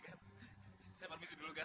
saya permisi dulu kan